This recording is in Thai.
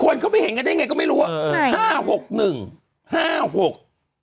คนเข้าไปเห็นกันได้ไงก็ไม่รู้ว่าเออห้าหกหนึ่งห้าหก